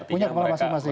punya kepala masing masing